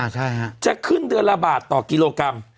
ใช่ฮะจะขึ้นเดือนละบาทต่อกิโลกรัม